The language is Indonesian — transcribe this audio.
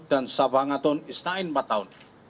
dan sabahangaton isna'in empat tahun